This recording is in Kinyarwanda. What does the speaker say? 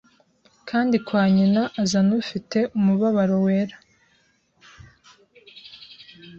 Kandi kwa nyina azana Ufite umubabaro wera